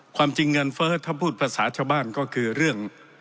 ความจริงเงินเฟ้อถ้าพูดภาษาชาวบ้านก็คือเรื่อง